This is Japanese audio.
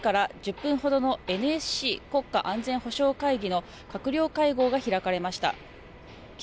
官邸では先ほど午前８時過ぎから１０分ほどのＮＳＣ・国家安全保障会議の閣僚会合が開かれました。